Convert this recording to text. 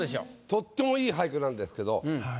とっても良い俳句なんですけどはい